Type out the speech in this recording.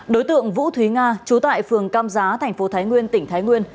đối tượng vũ thúy nga trú tại phường cam giá tp thái nguyên tỉnh thái nguyên